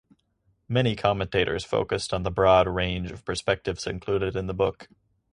Many commentators focused on the broad range of perspectives included in the book.